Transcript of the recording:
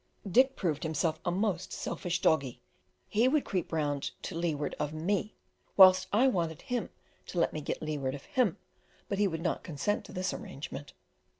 Dick proved himself a most selfish doggie; he would creep round to leeward of me, whilst I wanted him to let me get leeward of him, but he would not consent to this arrangement.